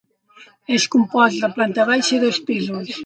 És compost de planta baixa i dos pisos.